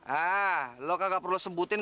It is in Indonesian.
ah lo kagak perlu sebutin